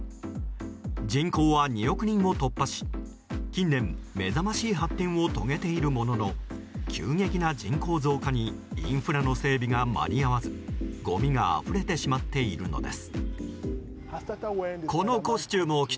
人口は２億人を突破し近年、目覚ましい発展を遂げているものの急激な人口増加にインフラの整備が間に合わずごみがあふれてしまっているのです。